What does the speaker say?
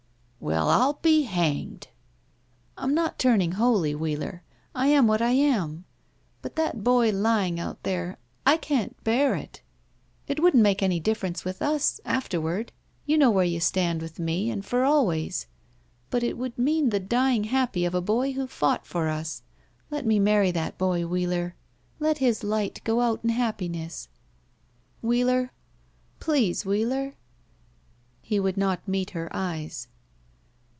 *'Well, I'll be hangedl" "I'm not turning holy, Wheeler. I am what I am. But that boy lying out there — I can't bear it! It wouldn't make any difference with us — after ward. You know where you stand with me and for always, but it would mean the dying happy of a boy who fought for us. Let me marry that boy, Wheeler. Let his Ught go out in happiness. Whee 93 BACK PAY ler? Please, Wheeler?" He would not meet her eyes.